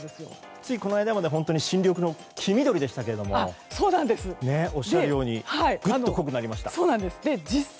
ついこの間まで本当に新緑の黄緑でしたけれどもおっしゃるようにぐっと濃くなりました。